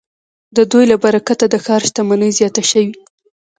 د دوی له برکته د ښار شتمني زیاته شوې.